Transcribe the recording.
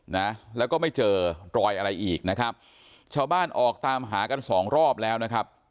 นะแล้วก็ไม่เจอรอยอะไรอีกนะครับชาวบ้านออกตามหากันสองรอบแล้วนะครับ